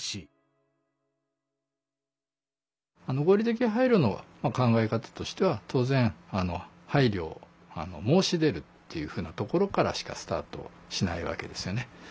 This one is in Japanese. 合理的配慮の考え方としては当然配慮を申し出るっていうふうなところからしかスタートしないわけですよね。